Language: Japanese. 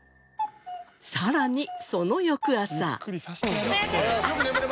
さらにその翌朝。